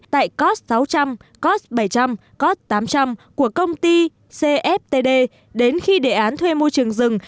tại cops sáu trăm linh cost bảy trăm linh cot tám trăm linh của công ty cftd đến khi đề án thuê môi trường rừng